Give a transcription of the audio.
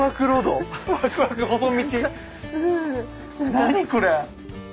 何これ⁉